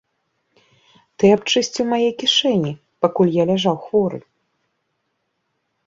Ты абчысціў мае кішэні, пакуль я ляжаў хворы!